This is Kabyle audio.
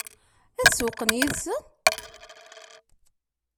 Ad sewweqen yid-sen?